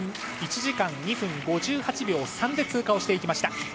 １時間２分５８秒３で通過しました。